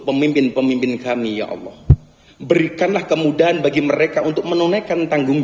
pemimpin pemimpin kami ya allah berikanlah kemudahan bagi mereka untuk menunaikan tanggung